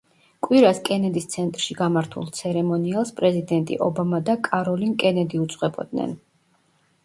კვირას კენედის ცენტრში გამართულ ცერემონიალს პრეზიდენტი ობამა და კაროლინ კენედი უძღვებოდნენ.